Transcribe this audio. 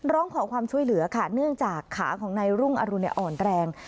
ร้องขอความช่วยเหลือค่ะเนื่องจากขาของนายรุ่งอรุณอ่อนแรง